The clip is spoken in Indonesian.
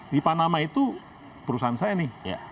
di panama itu perusahaan saya nih